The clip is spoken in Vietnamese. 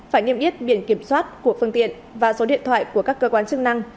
phải niêm yết biển kiểm soát của phương tiện và số điện thoại của các cơ quan chức năng